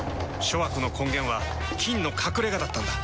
諸悪の根源は「菌の隠れ家」だったんだ。